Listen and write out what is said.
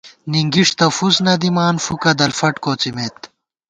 ننگِݭ تہ فُس نہ دِمان، فُوکہ دلفٹ کوڅِمېت